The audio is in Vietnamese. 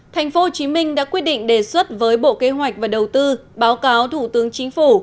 thành phố hồ chí minh đã quyết định đề xuất với bộ kế hoạch và đầu tư báo cáo thủ tướng chính phủ